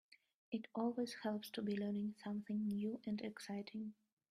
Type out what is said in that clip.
It always helps to be learning something new and exciting.